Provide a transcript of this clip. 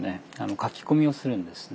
書き込みをするんですね。